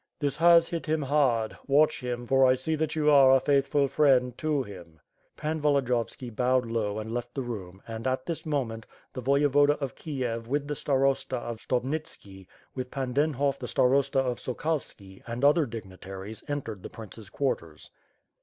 "This has hit him hard. Watch him, for I see you are a faithful friend to him." Pan Volodiyovski bowed low and left the room and, at this moment, the Voyevoda of Kiev with the Starosta of Stob nitski, with Pan Denhof the starosta of Sokalski, and other dignitaries, entered the prince's quari; ers.